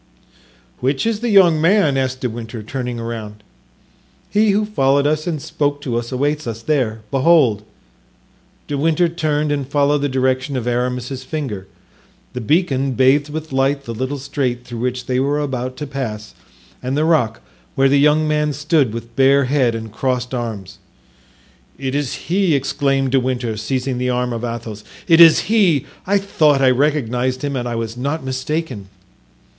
"Which is the young man?" asked De Winter, turning around. "He who followed us and spoke to us awaits us there; behold!" De Winter turned and followed the direction of Aramis's finger. The beacon bathed with light the little strait through which they were about to pass and the rock where the young man stood with bare head and crossed arms. "It is he!" exclaimed De Winter, seizing the arm of Athos; "it is he! I thought I recognized him and I was not mistaken."